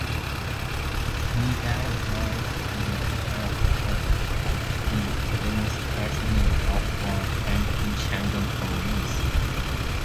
He died while incarcerated in a Japanese prisoner of war camp in Shandong Province.